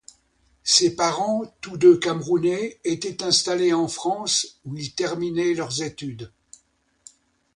Ces parents, tous deux Camerounais étaient installés en France où ils terminaient leurs études.